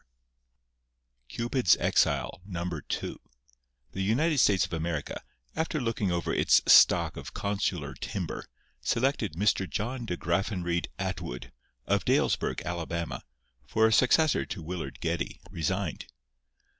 V CUPID'S EXILE NUMBER TWO The United States of America, after looking over its stock of consular timber, selected Mr. John De Graffenreid Atwood, of Dalesburg, Alabama, for a successor to Willard Geddie, resigned.